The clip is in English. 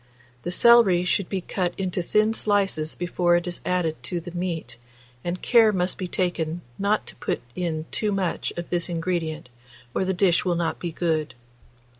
The celery should be cut into thin slices before it is added to the meat, and care must be taken not to put in too much of this ingredient, or the dish will not be good.